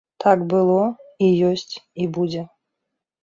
Так было, і ёсць, і будзе.